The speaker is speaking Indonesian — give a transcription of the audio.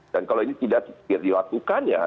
dan kalau ini tidak dilakukannya